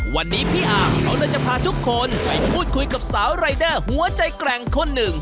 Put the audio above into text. วันนี้พี่อาร์เขาเลยจะพาทุกคนไปพูดคุยกับสาวรายเดอร์หัวใจแกร่งคนหนึ่ง